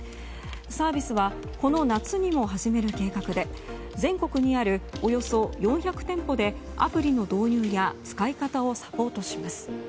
サービスはこの夏にも始める計画で全国にあるおよそ４００店舗でアプリの導入や使い方をサポートします。